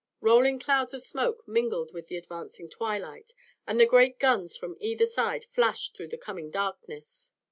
Rolling clouds of smoke mingled with the advancing twilight, and the great guns from either side flashed through the coming darkness.